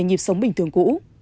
nhịp sống bình thường cũ